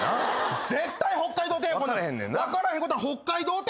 絶対北海道展。分からへんねんな。